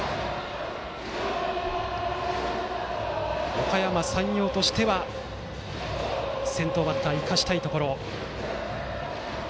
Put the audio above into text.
おかやま山陽としては先頭バッターを生かしたいところ。